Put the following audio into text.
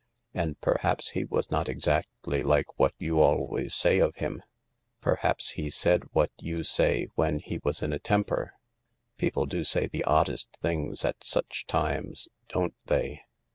And perhaps he was not exactly like what you always say of him. Perhaps he said what you say when he was in a temper. People do say the oddest things at such times, don't they